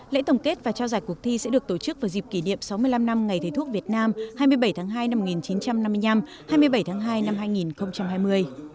lễ tổng kết và trao giải cuộc thi sẽ được tổ chức vào dịp kỷ niệm sáu mươi năm năm ngày thầy thuốc việt nam hai mươi bảy tháng hai năm một nghìn chín trăm năm mươi năm hai mươi bảy tháng hai năm hai nghìn hai mươi